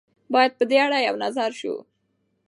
باید په دې اړه یو نظر شو.